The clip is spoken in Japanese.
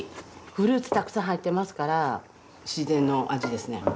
フルーツたくさん入ってますから自然の味ですね。